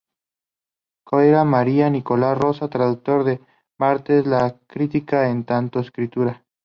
Coira, María: "Nicolás Rosa, traductor de Barthes: la crítica en tanto escritura".